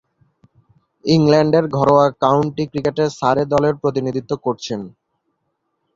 ইংল্যান্ডের ঘরোয়া কাউন্টি ক্রিকেটে সারে দলের প্রতিনিধিত্ব করছেন।